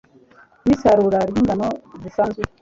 n'isarura ry'ingano zisanzwe